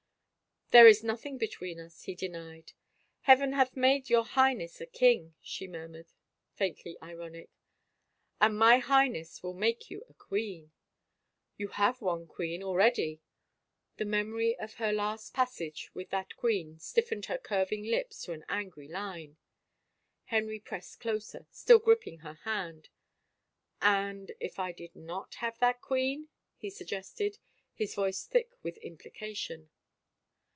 There is nothing between us," he denied. Heaven hath made your Highness a king," she mur mured, faintly ironic. " And my Highness will make you a queen !"" You have one queen already." The memory of her last passage with that queen stiffened her curving lips to an angry line. Henry pressed closer, still gripping her hand. " And if I did not have that queen —?" he suggested, his voice thick with implication.